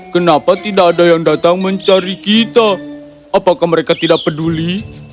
kenapa tidak ada yang datang mencari kita apakah mereka tidak peduli